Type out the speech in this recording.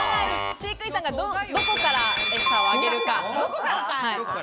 飼育員さんがどこから餌をあげるか。